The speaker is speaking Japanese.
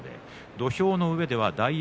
土俵の上では大栄